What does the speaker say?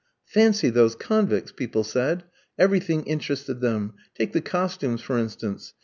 "Fancy those convicts!" people said: everything interested them, take the costumes for instance.